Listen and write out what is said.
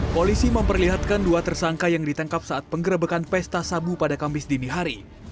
polisi memperlihatkan dua tersangka yang ditangkap saat penggerebekan pesta sabu pada kamis dini hari